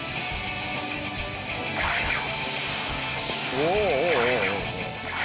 おおおおおおおお。